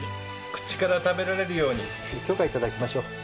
口から食べられるように許可をいただきましょう。